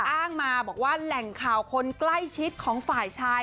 อ้างมาบอกว่าแหล่งข่าวคนใกล้ชิดของฝ่ายชาย